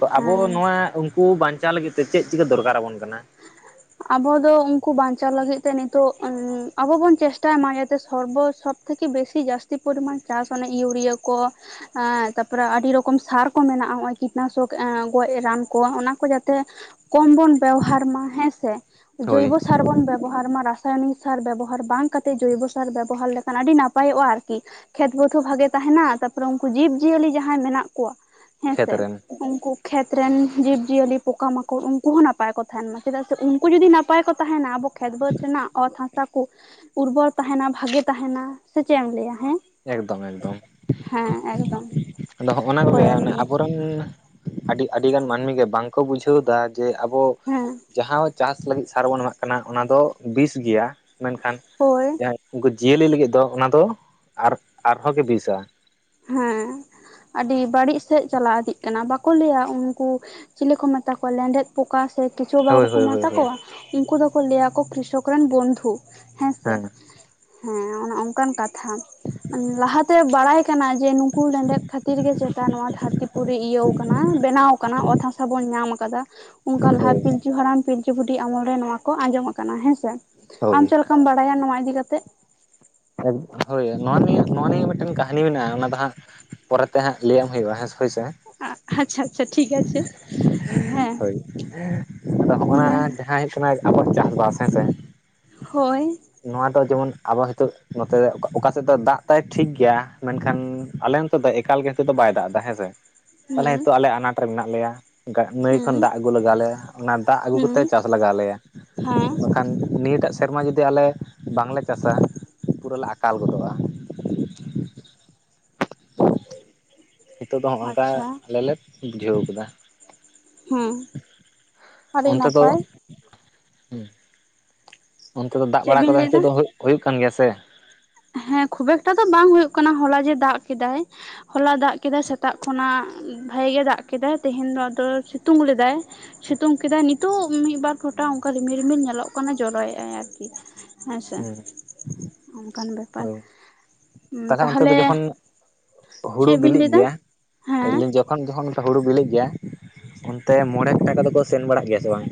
ᱛᱚ ᱟᱵᱚ ᱦᱮᱸ ᱱᱚᱣᱟ ᱠᱩ ᱵᱟᱧᱪᱟᱣ ᱞᱟᱹᱜᱤᱫ ᱛᱮ ᱪᱮᱫ ᱪᱤᱠᱟᱹ ᱫᱚᱨᱠᱟᱨ ᱟᱵᱚᱱ ᱠᱟᱱᱟ ᱟᱵᱚ ᱫᱚ ᱩᱱᱠᱩ ᱵᱟᱧᱪᱟᱣ ᱞᱟᱹᱜᱤᱫ ᱛᱮ ᱱᱤᱛᱚᱜ ᱟᱵᱚ ᱵᱚᱱ ᱪᱮᱥᱴᱟᱭ ᱢᱟ ᱡᱟᱛᱮ ᱥᱚᱨᱵᱚ ᱥᱚᱯ ᱛᱷᱮᱠᱮ ᱵᱮᱥᱤ ᱡᱟᱹᱥᱛᱤ ᱯᱚᱨᱤᱢᱟᱱ ᱪᱟᱥ ᱚᱱᱟ ᱤᱭᱩᱨᱤᱭᱟᱹ ᱠᱚ ᱮᱸᱜ ᱛᱟᱨᱯᱚᱨᱮ ᱟᱹᱰᱤ ᱨᱚᱠᱚᱢ ᱥᱟᱨ ᱠᱚ ᱢᱮᱱᱟᱜᱼᱟ ᱠᱤᱴᱱᱟᱥᱚᱠ ᱮ ᱜᱚᱡ ᱨᱟᱱ ᱠᱚ ᱚᱱᱟ ᱠᱚ ᱡᱟᱛᱮ ᱠᱚᱢ ᱵᱚᱱ ᱵᱮᱣᱦᱟᱨ ᱢᱟ ᱦᱮᱸᱥᱮ ᱦᱳᱭ ᱡᱳᱭᱵᱚ ᱥᱟ ᱥᱟᱨ ᱵᱚᱱ ᱵᱮᱵᱚᱦᱟᱨ ᱢᱟ ᱨᱟᱥᱟᱭᱚᱱᱤᱠ ᱥᱟᱨ ᱵᱮᱵᱚᱦᱟᱨ ᱵᱟᱝ ᱠᱟᱛᱮ ᱡᱚᱭᱵᱚ ᱥᱟᱨ ᱵᱮᱵᱚᱦᱟᱨ ᱞᱮᱠᱷᱟᱱ ᱟᱹᱰᱤ ᱱᱟᱯᱟᱭᱚᱜᱼᱟ ᱟᱨᱠᱤ, ᱠᱷᱮᱛ ᱵᱟ. ᱛ ᱦᱚᱸ ᱵᱷᱟᱜᱮ ᱛᱟᱦᱮᱸᱱᱟ ᱛᱟᱨᱯᱚ ᱨᱮ ᱩᱱᱠᱩ ᱡᱤᱵ ᱡᱤᱭᱟᱹᱞᱤ ᱡᱟᱦᱟᱸᱭ ᱢᱮᱱᱟᱜ ᱠᱚᱣᱟ, ᱠᱷᱮᱛ ᱦᱮᱸᱥᱮ ᱨᱮᱱ ᱩᱱᱠᱩ ᱠᱷᱮᱛ ᱨᱮᱱ ᱡᱤᱵᱽ ᱡᱤᱭᱟᱹᱞᱤ ᱯᱚᱠᱟ ᱢᱟᱠᱚᱲ ᱩᱱᱠᱩ ᱦᱚᱸ ᱱᱟᱯᱟᱭ ᱠᱚ ᱛᱟᱦᱮᱸᱱ ᱢᱟ ᱪᱮᱫᱟᱜ ᱥᱮ ᱩᱱᱠᱩ ᱡᱩᱫᱤ ᱱᱟᱯᱟᱭ ᱠᱚ ᱛᱟᱦᱮᱸᱱᱟ ᱟᱵᱚ ᱠᱷᱮᱛ ᱵᱟᱹᱫᱽ ᱨᱮᱱᱟᱜ ᱚᱛ ᱦᱟᱥᱟ ᱠᱩ ᱩᱨᱵᱚᱨ ᱛᱟᱦᱮᱸᱱᱟ ᱵᱷᱟᱜᱮ ᱛᱟᱦᱮᱸᱱᱟ ᱥᱮ ᱪᱮᱫ ᱮᱢ ᱞᱟᱹᱭᱟ, ᱦᱮᱸ ᱮᱠᱫᱚᱢ ᱮᱠᱫᱚᱢ ᱦᱮᱸ ᱮᱠᱫᱚᱢ ᱟᱫᱚ ᱦᱚᱸᱜᱼᱱᱟ ᱠᱚᱜᱮ ᱦᱳᱭ ᱚᱱᱮ ᱟᱨᱠᱤ ᱟᱵᱚ ᱴᱟᱝ ᱟᱹᱰᱤ ᱟᱹᱰᱤ ᱜᱟᱱ ᱢᱟᱹᱱᱢᱤ ᱜᱮ ᱵᱟᱝᱠᱚ ᱵᱩᱡᱷᱟᱹᱣ ᱫᱟ ᱡᱮ ᱟᱵᱚ ᱦᱮᱸ ᱡᱟᱦᱟᱸ ᱪᱟᱥ ᱞᱟᱹᱜᱤᱫ ᱥᱟᱨ ᱵᱚᱱ ᱮᱢᱟᱜ ᱠᱟᱱᱟ ᱚᱱᱟ ᱫᱚ ᱵᱤᱥ ᱜᱮᱭᱟ ᱢᱮᱱᱠᱷᱟᱱ ᱦᱳᱭ ᱡᱟᱦᱟᱸ ᱩᱱᱠᱩ ᱡᱤᱭᱟᱹᱞᱤ ᱞᱟᱹᱜᱤᱫ ᱫᱚ ᱚᱱᱟ ᱫᱚ ᱟᱨ ᱟᱨᱦᱚᱸ ᱜᱮ ᱵᱤᱥᱟ ᱦᱩᱸ ᱟᱹᱰᱤ ᱵᱟᱹᱲᱤᱡ ᱥᱮᱫ ᱪᱟᱞᱟᱣ ᱤᱫᱤᱜ ᱠᱟᱱᱟ ᱵᱟᱠᱚ ᱞᱟᱹᱭᱟ ᱩᱱᱠᱩ ᱪᱤᱞᱤ ᱠᱚ ᱢᱮᱛᱟ ᱠᱚᱣᱟ ᱞᱮᱸᱰᱮᱫ ᱯᱚᱠᱟ ᱥᱮ ᱠᱮᱸᱪᱳ ᱦᱳᱭ ᱵᱟᱠᱚ ᱦᱳᱭ ᱦᱳᱭ ᱢᱮᱛᱟ ᱦᱳᱭ ᱠᱚᱣᱟ ᱩᱱᱠᱩ ᱫᱚᱠᱚ ᱞᱟᱹᱭᱟᱠᱚ ᱠᱨᱤᱥᱚᱠ ᱨᱮᱱ ᱵᱚᱱᱫᱷᱩ ᱦᱮᱸᱥᱮ ᱦᱮᱸ ᱦᱮᱸ ᱚᱱᱮ ᱚᱱᱠᱟᱱ ᱠᱟᱛᱷᱟ ᱞᱟᱦᱟᱛᱮ ᱵᱟᱲᱟᱭ ᱠᱟᱱᱟ ᱡᱮ ᱱᱩᱠᱩ ᱞᱮᱸᱰᱮᱫ ᱠᱷᱟᱹᱛᱤᱨ ᱜᱮ ᱪᱮᱛᱟ ᱱᱚᱣᱟ ᱫᱷᱟᱨ ᱫᱷᱟᱨᱛᱤ ᱯᱩᱨᱤ ᱤᱭᱟᱹᱣ ᱠᱟᱱᱟ ᱵᱮᱱᱟᱣ ᱟᱠᱟᱱᱟ ᱚᱛ ᱦᱟᱥᱟ ᱵᱚᱱ ᱧᱟᱢ ᱟᱠᱟᱫᱟ ᱚᱱᱠᱟ ᱞᱟᱦᱟ ᱯᱤ ᱦᱳᱭ ᱯᱤᱞᱪᱩ ᱦᱟᱲᱟᱢ ᱯᱤᱞᱪᱩ ᱵᱩᱰᱷᱤ ᱟᱢᱚᱞ ᱨᱮ ᱱᱚᱣᱟ ᱠᱚ ᱟᱸᱡᱚᱢ ᱟᱠᱟᱱᱟ ᱦᱮᱸᱥᱮ ᱟᱢ ᱦᱳᱭ ᱪᱮᱫ ᱞᱮᱠᱟᱢ ᱵᱟᱲᱟᱭᱟ ᱱᱚᱣᱟ ᱤᱫᱤ ᱠᱟᱛᱮᱜ ᱦᱳᱭ ᱱᱚᱣᱟ ᱱᱤᱭᱟᱹ ᱱᱚᱣᱟ ᱱᱤᱭᱟᱹ ᱢᱤᱫᱴᱟᱝ ᱠᱟᱹᱦᱱᱤ ᱢᱮᱱᱟᱜᱼᱟ ᱚᱱᱟ ᱫᱚ ᱦᱟᱸᱜ ᱯᱚᱨᱮ ᱛᱮ ᱦᱟᱸᱜ ᱞᱟᱹᱭᱟᱢ ᱦᱩᱭᱩᱜᱼᱟ ᱦᱳᱭ ᱥᱮ ᱟᱪᱪᱷᱟ ᱟᱪᱪᱷᱟ ᱴᱷᱤᱠ ᱜᱟᱪᱷᱮ ᱦᱳᱭ ᱟᱫᱚ ᱦᱚᱸᱜᱼ ᱱᱟ ᱦᱮᱸ ᱡᱟᱦᱟᱸ ᱦᱩᱭᱩᱜ ᱠᱟᱱᱟ ᱟᱵᱚ ᱪᱟᱥᱵᱟᱥ ᱦᱮᱸᱥᱮ ᱦᱳᱭ ᱱᱚᱣᱟ ᱫᱚ ᱡᱮᱢᱚᱱ ᱟᱵᱚ ᱦᱮᱛᱳᱜ ᱱᱚᱛᱮ ᱚᱠᱟᱥᱮᱫ ᱫᱚ ᱫᱟᱜ ᱫᱟᱭ ᱴᱷᱤᱠ ᱜᱮᱭᱟ ᱢᱮᱱᱠᱷᱟᱱ ᱟᱞᱮ ᱚᱱᱛᱮ ᱫᱚ ᱮᱠᱟᱞ ᱜᱮ ᱱᱤᱛᱚᱜ ᱫᱚ ᱵᱟᱭ ᱫᱟᱜ ᱮᱫᱟ ᱦᱮᱸ ᱥᱮ, ᱛᱟᱦᱚᱞᱮ ᱦᱮᱸ ᱱᱤᱛᱚᱜ ᱟᱞᱮ ᱟᱱᱟᱴ ᱨᱮ ᱢᱮᱱᱟᱜ ᱞᱮᱭᱟ, ᱱᱟᱹᱭ ᱦᱮᱸ ᱠᱷᱚᱱ ᱫᱟᱜ ᱟᱹᱜᱩ ᱞᱟᱜᱟᱣᱞᱮᱭᱟ ᱚᱱᱟ ᱫᱟᱜ ᱟᱹᱜᱩ ᱦᱮᱸ ᱠᱟᱛᱮ ᱪᱟᱥ ᱞᱟᱜᱟᱣ ᱟᱞᱮᱭᱟ ᱦᱮᱸ ᱵᱟᱠᱷᱟᱱ ᱱᱤᱭᱟᱹᱴᱟᱜ ᱥᱮᱨᱢᱟ ᱡᱩᱫᱤ ᱟᱞᱮ ᱵᱟᱝᱞᱮ ᱪᱟᱥᱟ ᱯᱩᱨᱟᱹ ᱞᱮ ᱟᱠᱟᱞ ᱜᱚᱫᱚᱜᱼᱟ ᱱᱤᱛᱚᱜ ᱫᱚ ᱦᱚᱸᱜ ᱱᱚᱝᱠᱟ ᱟᱪᱪᱷᱟ ᱟᱞᱮᱞ ᱞᱮ ᱵᱩᱡᱷᱟᱹᱣ ᱠᱟᱫᱟ ᱦᱮᱸ ᱟᱹᱰᱤ ᱚᱱᱛᱮ ᱫᱚ ᱱᱟᱯᱟᱭ ᱦᱩᱸ ᱚᱱᱛᱮ ᱫᱚ ᱫᱟᱜ ᱪᱮᱫ ᱵᱟᱲᱟ ᱵᱤᱱ ᱠᱚᱫᱚ ᱞᱟᱹᱭ ᱮᱫᱟ ᱱᱤᱛᱚᱜ ᱫᱚ ᱦᱩᱭᱩᱜ ᱠᱟᱱ ᱜᱮᱭᱟ ᱥᱮ ᱦᱮᱸ ᱠᱷᱩᱵ ᱮᱠᱴᱟ ᱫᱚ ᱵᱟᱝ ᱦᱳᱭᱚᱜ ᱠᱟᱱᱟ ᱦᱚᱞᱟ ᱡᱮ ᱫᱟᱜ ᱠᱮᱫᱟᱭ ᱦᱚᱞᱟ ᱫᱟᱜ ᱠᱮᱫᱟᱭ ᱥᱮᱛᱟᱜ ᱠᱷᱚᱱᱟᱜ ᱵᱷᱟᱜᱮ ᱜᱮ ᱫᱟᱜ ᱠᱮᱫᱟᱭ ᱛᱮᱦᱮᱧ ᱫᱚ ᱟᱫᱚ ᱥᱤᱛᱩᱝ ᱞᱮᱫᱟᱭ? ᱥᱤᱛᱩᱝ ᱠᱮᱫᱟᱭ ᱱᱤᱛᱳᱜ ᱢᱤᱫᱵᱟᱨ ᱯᱷᱚᱴᱟ ᱚᱱᱠᱟ ᱨᱤᱢᱤᱞ ᱨᱤᱢᱤᱞ ᱧᱮᱞᱚᱜ ᱠᱟᱱᱟ ᱡᱚᱨᱚᱭᱮᱫ ᱟᱭ ᱟᱨᱠᱤ ᱦᱮᱸ ᱥᱮ ᱦᱩᱸ ᱠᱟᱱᱟᱱ ᱵᱮ <unintelligible> ᱦᱳᱭ ᱛᱟᱦᱞᱮ ᱚᱱᱛᱮ ᱫᱚ ᱡᱚᱠᱷᱚᱱᱼᱼ ᱦᱩᱲᱩ ᱪᱮᱫ ᱵᱤᱱ ᱵᱤᱞᱤᱜ ᱞᱟᱹᱭᱫᱟ ᱜᱮᱭᱟ ᱦᱮᱸ ᱯᱳᱤᱧ <unintelligible> ᱠᱷ ᱠᱷᱚᱱ ᱡᱚᱠᱷᱚᱱᱚᱱ <unintelligible> ᱦᱩᱲᱩ ᱵᱤᱞᱤᱜ ᱜᱮᱭᱟ ᱚᱱᱛᱮ ᱢᱚᱬᱮ ᱠᱟᱴᱟ ᱠᱚ ᱫᱚᱠᱚ ᱥᱮᱱ ᱵᱟᱲᱟᱜ ᱜᱮᱭᱟ ᱥᱮ ᱵᱟᱝ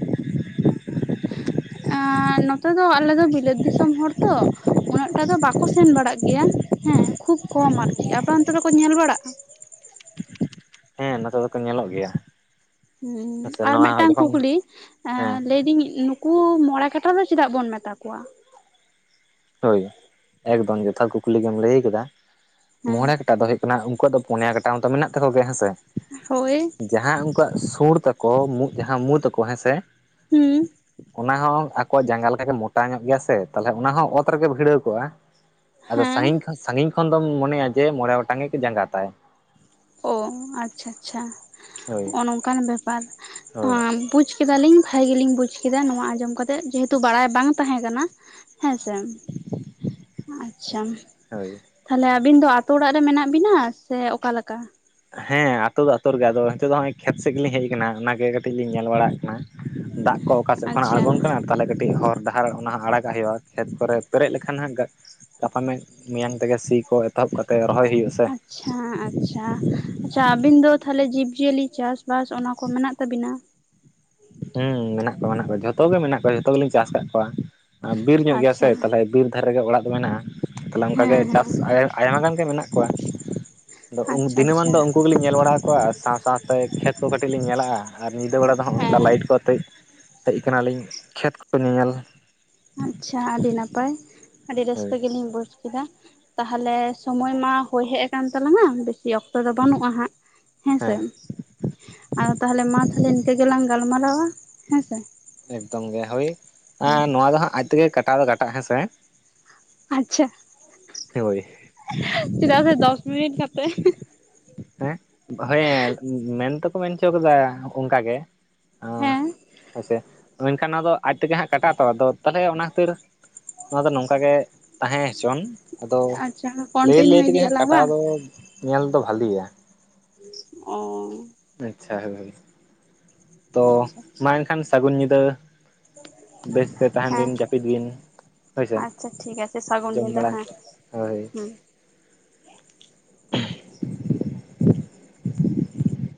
ᱱᱚᱛᱮ ᱫᱚ ᱟᱞᱮ ᱫᱚ ᱵᱤᱞᱟᱹᱛ ᱫᱤᱥᱚᱢ ᱦᱚᱲ ᱛᱚ ᱩᱱᱟᱹᱜ ᱴᱟ ᱫᱚ ᱵᱟᱠᱚ ᱥᱮᱱ ᱵᱟᱲᱟᱜ ᱜᱮᱭᱟ ᱦᱮᱸ ᱠᱷᱩᱵ ᱠᱚᱢ ᱟᱨᱠᱤ ᱟᱯᱮ ᱚᱱᱛᱮ ᱨᱮᱠᱚ ᱧᱮᱞ ᱵᱟᱲᱟᱜᱼᱟ ᱦᱮᱸ ᱱᱚᱛᱮ ᱫᱚᱠᱚ ᱧᱮᱞᱚᱜ ᱜᱮᱭᱟ ᱥᱮ ᱟᱨ ᱱᱚᱣᱟ ᱢᱮᱫᱴᱟᱝ ᱡᱚᱠᱷᱚᱱ ᱠᱩᱠᱞᱤ ᱮᱻ ᱦᱮᱸ ᱞᱟᱹᱭᱫᱤᱧ ᱱᱩᱠᱩᱼᱼ ᱩᱱᱠᱩ ᱢᱚᱬᱮ ᱠᱟᱴᱷᱟ ᱫᱚ ᱪᱮᱫᱟᱜ ᱵᱚᱱ ᱢᱮᱛᱟ ᱠᱚᱣᱟ ᱦᱳᱭ ᱮᱠᱫᱚᱢ ᱡᱚᱛᱷᱟᱛ ᱠᱩᱠᱞᱤ ᱜᱮᱢ ᱞᱟᱹᱭ ᱟᱠᱟᱫᱟ ᱦᱮᱸ ᱢᱚᱬᱮ ᱠᱟᱴᱟ ᱫᱚ ᱦᱩᱭᱩᱜ ᱱᱟᱜ ᱩᱱᱠᱩᱣᱟᱜ ᱫᱚ ᱯᱩᱱᱭᱟ ᱠᱟᱴᱟ ᱢᱟᱛᱚ ᱢᱮᱱᱟᱜ ᱛᱟᱠᱚ ᱜᱮᱭᱟ ᱦᱮᱸ ᱥᱮ ᱦᱳᱭ ᱡᱟᱦᱟᱸ ᱩᱱᱠᱩᱣᱟᱜ ᱥᱩᱲ ᱛᱟᱠᱚ ᱡᱟᱦᱟᱸ ᱢᱩ ᱛᱟᱠᱚ ᱦᱮᱸᱥᱮ ᱦᱩᱸ ᱚᱱᱟ ᱦᱚᱸ ᱟᱠᱚᱣᱟᱜ ᱡᱟᱸᱜᱟ ᱞᱮᱠᱟ ᱜᱮ ᱢᱚᱴᱟ ᱧᱚᱜ ᱜᱮᱭᱟ ᱥᱮ ᱛᱟᱦᱚᱞᱮ ᱚᱱᱟ ᱦᱚᱸ ᱚᱛ ᱨᱮᱜᱮ ᱵᱷᱤᱲᱟᱹᱣ ᱠᱚᱜᱼᱟ ᱟᱫᱚ ᱦᱮᱸ ᱥᱟᱸᱜᱤᱧ ᱠᱷᱚᱱ ᱥᱟᱸᱜᱤᱧ ᱠᱷᱚᱱ ᱫᱚᱢ ᱢᱚᱱᱮᱭᱟ ᱡᱮ ᱢᱚᱬᱮ ᱜᱚᱴᱟᱝ ᱜᱮ ᱡᱟᱸᱜᱟ ᱛᱟᱭ ᱚ ᱟᱪᱪᱷᱟ ᱟᱪᱪᱷᱟ ᱦᱳᱭ ᱱᱚᱝᱠᱟᱱ ᱵᱮᱯᱟᱨ ᱦᱳᱭ ᱵᱩᱡᱼᱼ ᱠᱮᱫᱟᱞᱤᱧ ᱵᱷᱟᱜᱤᱞᱤᱧ ᱵᱩᱡ ᱠᱮᱫᱟ ᱱᱚᱣᱟ ᱟᱸᱡᱚᱢ ᱠᱟᱛᱮᱜ ᱡᱮᱦᱮᱛᱩ ᱵᱟᱲᱟᱭ ᱵᱟᱝ ᱛᱟᱦᱮᱸ ᱠᱟᱱᱟ ᱦᱮᱸᱥᱮ ᱟᱪᱪᱷᱟ ᱦᱳᱭ ᱛᱟᱦᱞᱮ ᱟᱵᱤᱱ ᱫᱚ ᱟᱛᱳ ᱚᱲᱟᱜ ᱨᱮ ᱢᱮᱱᱟᱜ ᱵᱤᱱᱟ ᱥᱮ ᱚᱠᱟᱞᱮᱠᱟ ᱦᱮᱸ ᱟᱹᱛᱩᱳ ᱫᱚ ᱟᱹᱛᱩᱳ ᱨᱮᱜᱮ ᱟᱫᱚ ᱱᱤᱛᱚᱜ ᱦᱮᱸ ᱟᱛᱳ ᱫᱚ ᱟᱛᱳ ᱨᱮ ᱜᱮ ᱟᱫᱚ ᱦᱚᱸᱜᱚᱭ ᱱᱤᱛᱳᱜ ᱫᱚ ᱠᱷᱮᱛ ᱥᱮᱫ ᱜᱮᱞᱤᱧ ᱦᱮᱡ ᱟᱠᱟᱱᱟ ᱚᱱᱟᱜᱮ ᱠᱟᱹᱴᱤᱡ ᱞᱤᱧ ᱧᱮᱞ ᱵᱟᱲᱟᱜ ᱠᱟᱱᱟ ᱫᱟᱜ ᱠᱚᱼᱼ ᱚᱠᱟ ᱥᱮᱫ ᱠᱷᱚᱱᱟᱜ ᱟᱪᱪᱷᱟ ᱟᱬᱜᱚᱱ ᱠᱟᱱᱟ ᱛᱟᱦᱞᱮ ᱠᱟᱹᱴᱤᱡ ᱦᱚᱨ ᱫᱟᱜ ᱟᱨ ᱚᱱᱟ ᱟᱲᱟᱜᱟᱜ ᱦᱩᱭᱩᱜᱼᱟ ᱠᱷᱮᱛ ᱠᱚᱨᱮ ᱯᱮᱨᱮᱡ ᱞᱮᱠᱷᱟᱱ ᱦᱟᱸᱜ ᱜᱟᱯᱟ ᱢᱮ ᱢᱮᱭᱟᱝ ᱛᱮᱜᱮ ᱥᱤᱼᱼ ᱠᱚ ᱮᱛᱚᱦᱚᱵ ᱠᱟᱛᱮ ᱨᱚᱦᱚᱭ ᱦᱩᱭᱩᱜᱼᱟ ᱥᱮ᱾ ᱦᱮᱸ ᱟᱪᱪᱷᱟ ᱟᱪᱪᱷᱟ ᱟᱵᱤᱱ ᱫᱚ ᱛᱟᱦᱚᱞᱮ ᱡᱤᱵᱽ ᱡᱤᱭᱟᱹᱞᱤ ᱪᱟᱥᱵᱟᱥ ᱚᱱᱟ ᱠᱚ ᱢᱮᱱᱟᱜ ᱛᱟᱵᱤᱱᱟ ᱦᱮᱸ ᱢᱮᱱᱟᱜ ᱠᱚᱣᱟ ᱢᱮᱱᱟᱜ ᱠᱚᱣᱟ ᱡᱷᱚᱛᱚ ᱜᱮ ᱢᱮᱱᱟᱜ ᱠᱚᱣᱟ ᱡᱷᱚᱛᱚ ᱜᱮᱞᱤᱧ ᱪᱟᱥ ᱟᱠᱟᱫ ᱠᱚᱣᱟ ᱵᱤᱨ ᱧᱚᱜ ᱜᱮᱭᱟ ᱥᱮ ᱟᱪᱪᱷᱟ ᱛᱟᱦᱞᱮ ᱵᱤᱨᱼᱼ ᱟᱫᱷᱟᱨ ᱨᱮᱜᱮ ᱚᱲᱟᱜ ᱫᱚ ᱢᱮᱱᱟᱜᱼᱟ ᱛᱟᱦᱞᱮ ᱚᱱᱠᱟᱜᱮ ᱦᱮᱸ ᱪᱟᱥ ᱦᱮᱸ ᱟᱭᱢᱟ <unintelligible> ᱜᱟᱱ ᱜᱮ ᱢᱮᱱᱟᱜ ᱠᱚᱣᱟ ᱟᱫᱚ ᱟᱪᱪᱷᱟ ᱟᱪᱪᱷᱟ ᱫᱤᱱᱟᱹᱢᱟᱱ ᱫᱚ ᱩᱱᱠᱩ ᱜᱮᱞᱤᱧ ᱧᱮᱞ ᱵᱟᱲᱟ ᱠᱚᱣᱟ ᱥᱟᱶ ᱥᱟᱶᱛᱮ ᱠᱷᱮᱛ ᱠᱚ ᱠᱟᱹᱴᱤᱡ ᱞᱤᱧ ᱧᱮᱞᱟᱜᱼᱟ ᱟᱨ ᱧᱤᱫᱟᱹ ᱵᱮᱲᱟ ᱫᱚ ᱟᱨ ᱦᱮᱸ ᱞᱟᱭᱤᱴ ᱠᱚ ᱟᱛᱮᱫ ᱦᱮᱡ ᱠᱟᱱᱟᱞᱤᱧ ᱠᱷᱮᱛ ᱠᱚ ᱧᱮᱧᱮᱞ᱾ ᱟᱪᱪᱷᱟ ᱟᱹᱰᱤ ᱱᱟᱯᱟᱭ ᱟᱹᱰᱤ ᱦᱳᱭ ᱨᱟᱹᱥᱠᱟᱹ ᱜᱮᱞᱤᱧ ᱵᱩᱡᱽ ᱠᱮᱫᱟ ᱛᱟᱦᱚᱞᱮ ᱥᱚᱢᱳᱭ ᱢᱟ ᱦᱳᱭ ᱦᱮᱡ ᱟᱠᱟᱱ ᱛᱟᱞᱟᱝᱟ ᱵᱤᱥᱤ ᱚᱠᱛᱚᱼᱼ ᱚᱠᱛᱚ ᱫᱚ ᱵᱟᱹᱱᱩᱜᱼᱟ ᱦᱟᱸᱜ ᱦᱮᱸᱥᱮ ᱦᱮᱸ ᱟᱫᱚ ᱛᱟᱦᱚᱞᱮ ᱢᱟ ᱛᱟᱦᱚᱞᱮ ᱤᱱᱠᱟᱹ ᱜᱮᱞᱟᱝ ᱜᱟᱞᱢᱟᱨᱟᱣᱟ ᱦᱮᱸ ᱥᱮ ᱮᱠᱫᱚᱢ ᱜᱮ ᱦᱳᱭ ᱮ ᱱᱚᱣᱟ ᱫᱚ ᱦᱟᱸᱜ ᱟᱡ ᱛᱮᱜᱮ ᱠᱟᱴᱟᱣ ᱫᱚ ᱠᱟᱴᱟᱜ ᱦᱮᱸᱥᱮ ᱟᱪᱪᱷᱟ ᱦᱳᱭ ᱪᱮᱫᱟᱜ ᱥᱮ ᱫᱚᱥ ᱢᱤᱱᱤᱴ ᱠᱟᱛᱮ ᱦᱮᱸ ᱦᱚᱭᱮ ᱢᱮᱱ ᱛᱚᱠᱚ ᱢᱮᱱ ᱦᱚᱪᱚ ᱠᱟᱫᱟ ᱚᱱᱠᱟ ᱜᱮ ᱦᱚᱸ ᱦᱮᱸ ᱦᱮᱥᱮ ᱢᱮᱱᱠᱷᱟᱱ ᱱᱚᱣᱟ ᱫᱚ ᱟᱡ ᱛᱮᱜᱮ ᱦᱟᱸᱜ ᱠᱟᱴᱟᱜ ᱟᱛᱚ ᱟᱫᱚ ᱛᱟᱦᱚᱞᱮ ᱚᱱᱟ ᱠᱷᱟᱹᱛᱤᱨᱼᱼ ᱱᱚᱣᱟ ᱫᱚ ᱱᱚᱝᱠᱟ ᱜᱮ ᱛᱟᱦᱮᱸ ᱦᱚᱪᱚᱱ ᱟᱫᱚ ᱟᱪᱪᱷᱟ ᱞᱟᱹᱭ ᱞᱟᱹᱭ ᱠᱚᱱᱴᱤᱱᱤᱭᱩ ᱛᱮᱜᱮ ᱦᱟᱸᱜ ᱤᱫᱤᱭᱟᱞᱟᱝ ᱠᱟᱴᱟᱣ ᱵᱟᱝ ᱫᱚ ᱧᱮᱞ ᱫᱚ ᱵᱷᱟᱞᱤᱭᱟ ᱚᱻ ᱟᱪᱪᱷᱟ ᱦᱮ ᱵᱷ <unintelligible> ᱛᱚ ᱟᱪᱪᱷᱟ ᱢᱟ ᱟᱪᱪᱷᱟ ᱮᱱᱠᱷᱟᱱ ᱥᱟᱹᱜᱩᱱ ᱧᱤᱫᱟᱹ ᱵᱮᱥᱛᱮ ᱛᱟᱦᱮᱱ ᱦᱮᱸ ᱵᱤᱱ ᱡᱟᱹᱯᱤᱫ ᱵᱤᱱ ᱦᱳᱭᱥᱮ ᱟᱪᱪᱷᱟ ᱴᱷᱤᱠ ᱟᱪᱷᱮ ᱥᱟᱹᱜᱩᱱ ᱡᱚᱢ ᱧᱤᱫᱟᱹ ᱵᱟᱲᱟ ᱦᱮᱸ ᱦᱳᱭ ᱦᱩᱸ᱾ <unintelligible>